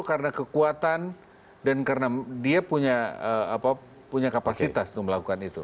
karena kekuatan dan karena dia punya kapasitas untuk melakukan itu